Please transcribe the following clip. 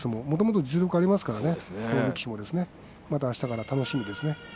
もともと実力がありますからねあしたから楽しみですね。